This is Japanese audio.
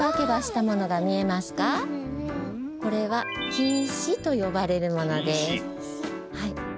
これは「きんし」とよばれるものです。